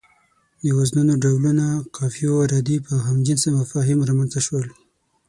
د وزنونو ډولونه، قافيو، رديف او هم جنسه مفاهيم رامنځ ته شول.